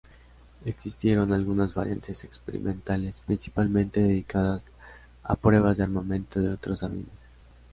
Existieron algunas variantes experimentales, principalmente dedicadas a pruebas de armamento de otros aviones.